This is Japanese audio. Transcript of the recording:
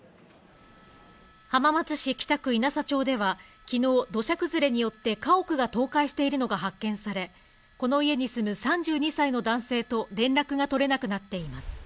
浜松市北区引佐町では、きのう、土砂崩れによって家屋が倒壊しているのが発見され、この家に住む３２歳の男性と連絡が取れなくなっています。